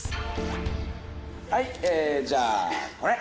はいじゃあこれ。